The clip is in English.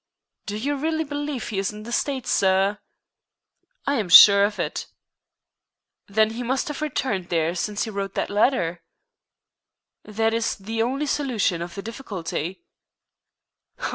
"Do you really believe he is in the States, sir?" "I am sure of it." "Then he must have returned there since he wrote that letter." "That is the only solution of the difficulty."